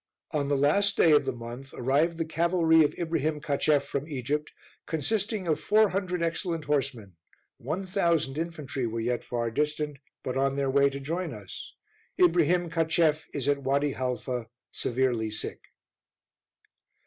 On the last day of the month, arrived the cavalry of Ibrihim Cacheff from Egypt, consisting of four hundred excellent horsemen; one thousand infantry were yet far distant, but on their way to join us. Ibrihim Cacheff is at Wady Halfa, severely sick.